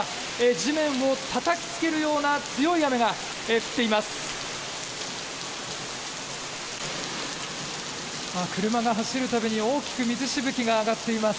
地面をたたきつけるような強い雨が降っています。